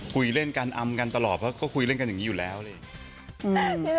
คุยเล่นกันอำกันตลอดเพราะเขาคุยเล่นกันอย่างนี้อยู่แล้วเลย